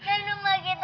tapi belum ketemu lah